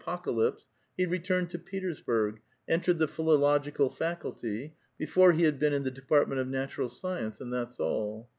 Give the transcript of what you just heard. pocalypse," he returned to Petersburg, entered the philo logical faculty ; before he had been in the department of natural science, and that's all.